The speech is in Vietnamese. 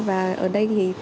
và ở đây thì